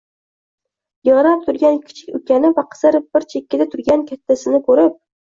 Yig‘lab turgan kichik ukani va qizarib bir chekkada turgan kattasini ko‘rib